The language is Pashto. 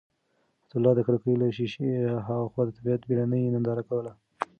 حیات الله د کړکۍ له شیشې هاخوا د طبیعت بېړنۍ ننداره کوله.